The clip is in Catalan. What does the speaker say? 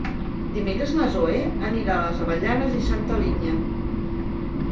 Dimecres na Zoè anirà a les Avellanes i Santa Linya.